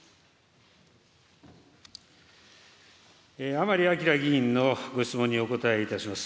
甘利明議員のご質問にお答えいたします。